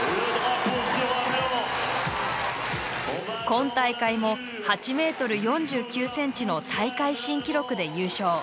今大会も８ｍ４９ｃｍの大会新記録で優勝。